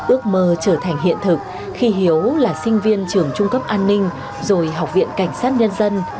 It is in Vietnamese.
ước mơ trở thành hiện thực khi hiếu là sinh viên trường trung cấp an ninh rồi học viện cảnh sát nhân dân